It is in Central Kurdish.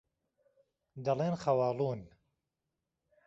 دەڵێن خەواڵوون.